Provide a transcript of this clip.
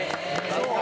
そうか！